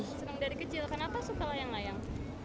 aku senang dari kecil kenapa suka layang layang